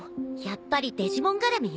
やっぱりデジモン絡み？